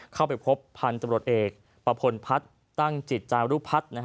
เข้าไปพบพันธุ์ตำรวจเอกประพลพัฒน์ตั้งจิตจารุพัฒน์